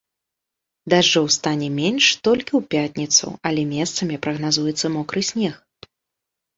Дажджоў стане менш толькі ў пятніцу, але месцамі прагназуецца мокры снег.